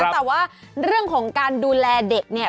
แต่ว่าเรื่องของการดูแลเด็กเนี่ย